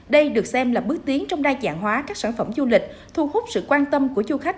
đây được xem là bước tiến trong đa dạng hóa các sản phẩm du lịch thu hút sự quan tâm của du khách